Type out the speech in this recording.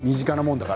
身近なものだから。